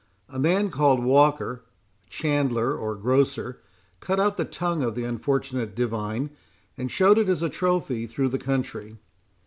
A man called Walker, a chandler or grocer, cut out the tongue of the unfortunate divine, and showed it as a trophy through the country.